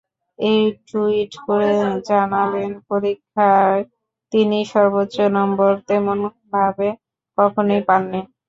একটি টুইট করে জানালেন, পরীক্ষায় তিনি সর্বোচ্চ নম্বর তেমনভাবে কখনোই পাননি।